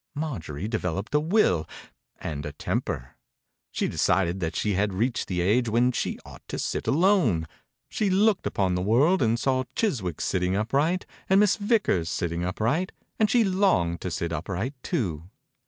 Marjorie developed a will and a temper. She decided that she had reached the age when she ought to sit alone. She looked upon the world and saw Chiswick sitting upright and Miss Vickers sitting upright and she longed to sit upright too.